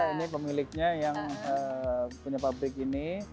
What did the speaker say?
ini pemiliknya yang punya pabrik ini